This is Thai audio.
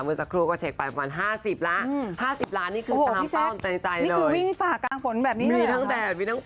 เมื่อสักครู่ก็เช็กไปประมาณ๕๐ล้าน